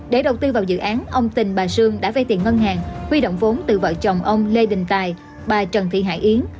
để đầu tư vào dự án ông tình bà sương đã vay tiền ngân hàng huy động vốn từ vợ chồng ông lê đình tài bà trần thị hải yến